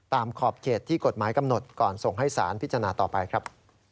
ขอบเขตที่กฎหมายกำหนดก่อนส่งให้สารพิจารณาต่อไปครับ